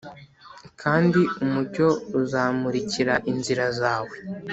Kandi umucyo uzamurikira inzira zawe